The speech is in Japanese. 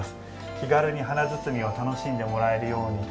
気軽に華包を楽しんでもらえるようにと